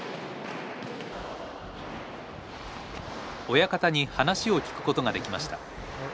親方に話を聞くことができました。